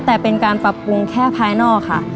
แต่เป็นการปรับปรุงแค่ภายนอกค่ะ